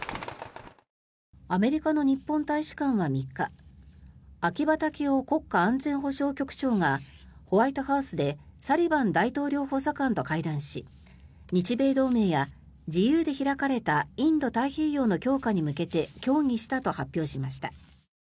アメリカの日本大使館は３日秋葉剛男国家安全保障局長がホワイトハウスでサリバン大統領補佐官と会談し日米同盟や自由で開かれたインド太平洋の強化に向けて協議したと発表しました。